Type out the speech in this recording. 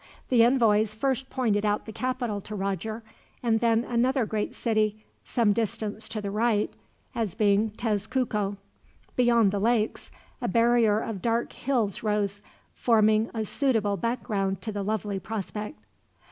The envoys first pointed out the capital to Roger, and then another great city, some distance to the right, as being Tezcuco. Beyond the lakes, a barrier of dark hills rose, forming a suitable background to the lovely prospect.